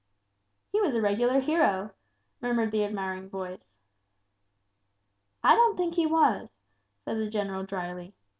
"He was a regular hero!" murmured the admiring boys. "I don't think he was," said the general, drily.